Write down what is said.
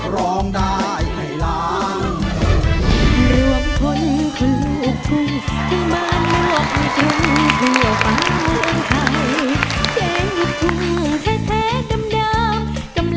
ร้องได้ให้ล้าน